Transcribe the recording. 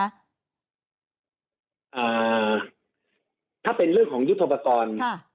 อสมภาษณภ์ถ้าเป็นเรื่องของยุทธปรากร